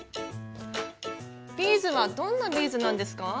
ビーズはどんなビーズなんですか？